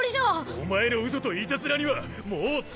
お前のうそといたずらにはもうつきあえん！